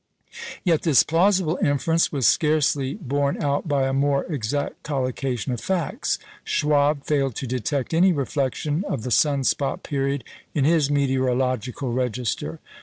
Yet this plausible inference was scarcely borne out by a more exact collocation of facts. Schwabe failed to detect any reflection of the sun spot period in his meteorological register.